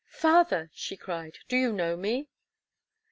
"Father!" she cried, "do you know me?"